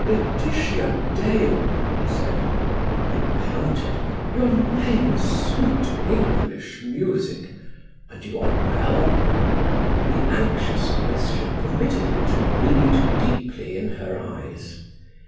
"Laetitia Dale!" he said. He panted. "Your name is sweet English music! And you are well?" The anxious question permitted him to read deeply in her eyes.